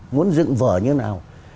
muốn dựng vở như thế nào